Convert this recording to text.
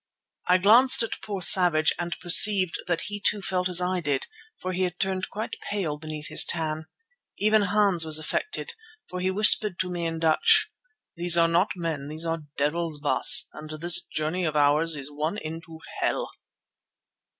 I glanced at poor Savage and perceived that he too felt as I did, for he had turned quite pale beneath his tan. Even Hans was affected, for he whispered to me in Dutch: "These are not men; these are devils, Baas, and this journey of ours is one into hell."